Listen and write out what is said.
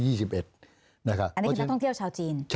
อันนี้คือนักท่องเที่ยวชาวจีน